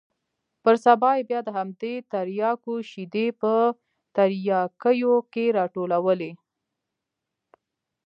پر سبا يې بيا د همدې ترياکو شېدې په ترياكيو کښې راټولولې.